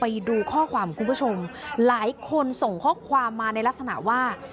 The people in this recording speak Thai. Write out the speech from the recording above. ไปดูข้อความคุณผู้ชมหลายคนส่งข้อความมาในลักษณะว่า